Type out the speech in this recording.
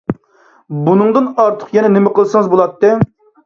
بۇنىڭدىن ئارتۇق يەنە نېمە قىلسىڭىز بولاتتى؟